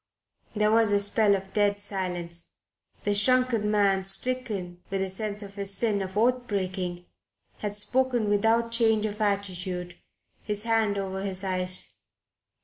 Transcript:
There was a spell of dead silence. The shrunken man, stricken with a sense of his sin of oath breaking, had Spoken without change of attitude, his hand over his eyes.